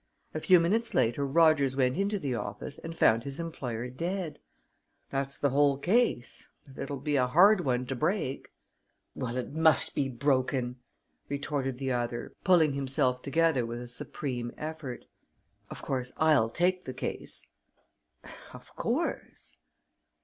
A few minutes later Rogers went into the office and found his employer dead. That's the whole case, but it'll be a hard one to break." "Well, it must be broken!" retorted the other, pulling himself together with a supreme effort. "Of course, I'll take the case." "Of course!"